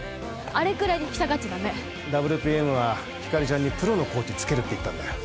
あれくらいで引き下がっちゃダメＷＰＭはひかりちゃんにプロのコーチつけるって言ったんだよ